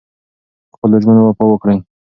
پخپلو ژمنو وفا وکړئ.